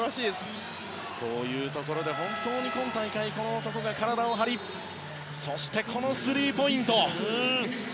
こういうところで本当に今大会この男が体を張りそして、このスリーポイント！